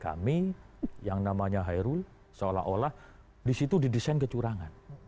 kami yang namanya hairul seolah olah disitu didesain kecurangan